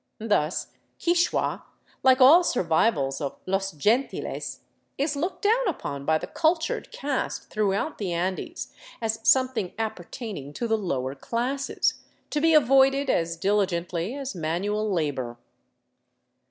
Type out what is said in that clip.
Thus Quichua, like all survivals of " los Gentiles," is looked down upon by the " cultured " caste throughout the Andes as some thing appertaining to the lower classes, to be avoided as diligently as manual labor.